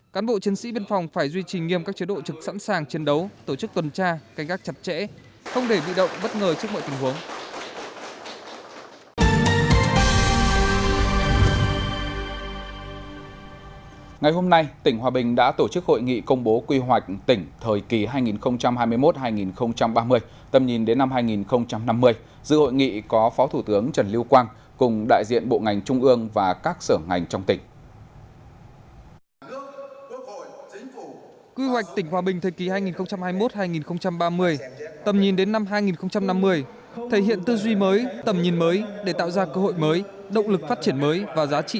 cán bộ chiến sĩ biên phòng phải duy trì nghiêm các chế độ trực sẵn sàng chiến đấu tổ chức tuần tra canh gác chặt chẽ không để bị động bất ngờ trước mọi tình huống